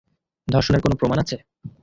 ধর্ষণের কোনো প্রমাণ আছে?